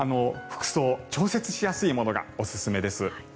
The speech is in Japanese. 服装、調節しやすいものがおすすめです。